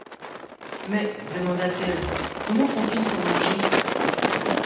Mais, demanda-t-elle, comment font-ils pour manger ?